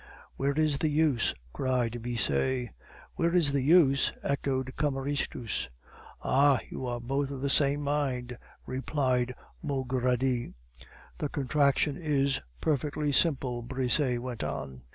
"Where is the use?" cried Brisset. "Where is the use?" echoed Cameristus. "Ah, you are both of the same mind," replied Maugredie. "The contraction is perfectly simple," Brisset went on.